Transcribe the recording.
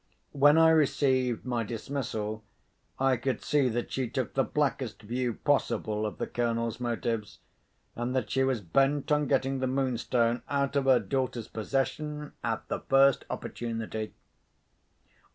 When I received my dismissal, I could see that she took the blackest view possible of the Colonel's motives, and that she was bent on getting the Moonstone out of her daughter's possession at the first opportunity.